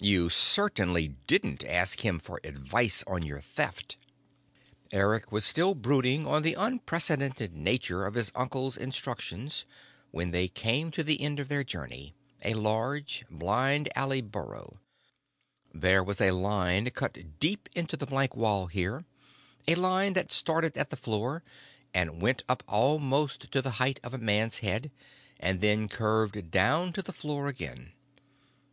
You certainly didn't ask him for advice on your Theft. Eric was still brooding on the unprecedented nature of his uncle's instructions when they came to the end of their journey, a large, blind alley burrow. There was a line cut deep into the blank wall here, a line that started at the floor, went up almost to the height of a man's head, and then curved down to the floor again.